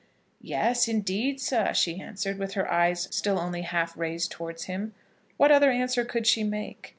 "Yes, indeed, sir," she answered, with her eyes still only half raised towards him. What other answer could she make?